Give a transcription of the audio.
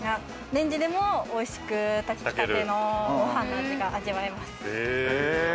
レンジでもおいしく炊き立てのご飯の味が味わえます。